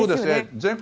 全国